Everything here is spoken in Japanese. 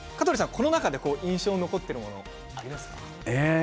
この中で印象に残っているものありますか。